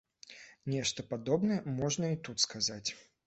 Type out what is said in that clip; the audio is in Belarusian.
Нешта падобнае можна і тут сказаць.